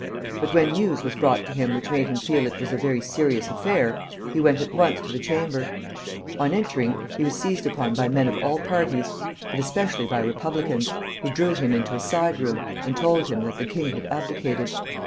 But when news was brought to him which made him feel it was a very serious affair, he went at once to the Chamber. On entering, he was seized upon by men of all parties, but especially by republicans, who drew him into a side room and told him that the king had abdicated.